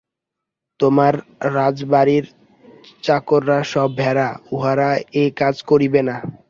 তোমার রাজবাড়ির চাকররা সব ভেড়া, উহারা এ-কাজ করিবে না।